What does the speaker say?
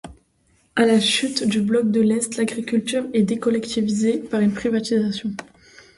À la chute du bloc de l'est, l'agriculture est décollectivisé, par une privatisation.